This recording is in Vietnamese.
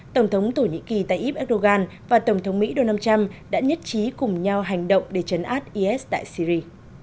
tổng thống thổ nhĩ kỳ tayyip erdogan và tổng thống mỹ donald trump đã nhất trí cùng nhau hành động để chấn áp is tại syri